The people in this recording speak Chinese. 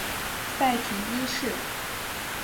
塞提一世。